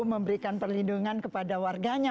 memberikan perlindungan kepada warganya